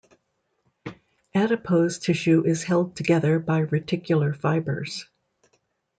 Adipose tissue is held together by reticular fibers.